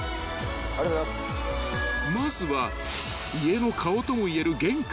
［まずは家の顔とも言える玄関から］